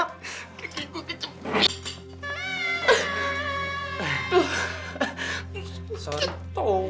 kegi gue ketong